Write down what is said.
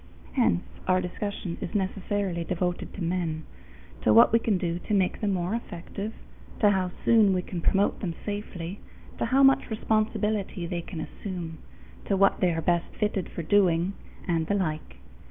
Hence our discussion is necessarily devoted to men to what we can do to make them more effective, to how soon we can promote them safely, to how much responsibility they can assume, to what they are best fitted for doing, and the like.